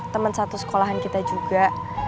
temen satu sekolahan kita juga